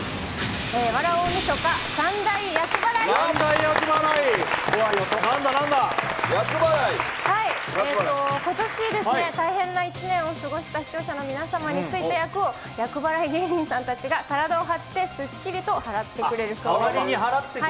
笑う大晦日三なんだなんだ？ことし、大変な一年を過ごした視聴者の皆様についた厄を厄払い芸人さんたちが体を張ってすっきりと払ってくれるそうです。